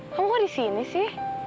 kamu kok di sini sih